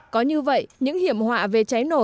có như vậy những hiểm họa về cháy nổ